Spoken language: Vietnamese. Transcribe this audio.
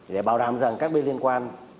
để bảo đảm rằng các bên liên quan